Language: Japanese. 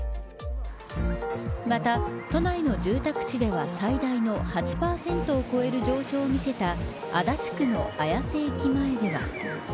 また、都内の住宅地では最大の８％を超える上昇を見せた足立区の綾瀬駅前では。